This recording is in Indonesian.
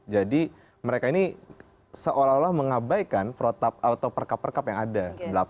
jadi mereka ini seolah olah mengabaikan protap atau perkap perkap yang ada